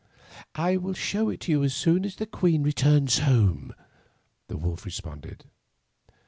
"I will show it to you as soon as the queen returns home," the wolf responded.